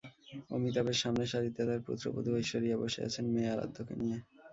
অমিতাভের সামনের সারিতে তাঁর পুত্রবধূ ঐশ্বরিয়া বসে আছেন মেয়ে আরাধ্যকে নিয়ে।